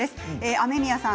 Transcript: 雨宮さん